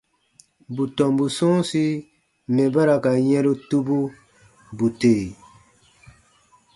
Bù tɔmbu sɔ̃ɔsi mɛ̀ ba ra ka yɛ̃ru tubu, bù tè.